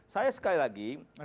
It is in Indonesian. saya sekali lagi